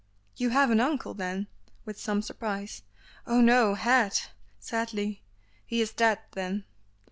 "You have an uncle, then?" with some surprise. "Oh no, had," sadly. "He is dead then?"